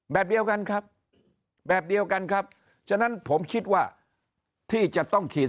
แบบเดียวกันครับแบบเดียวกันครับฉะนั้นผมคิดว่าที่จะต้องฉีด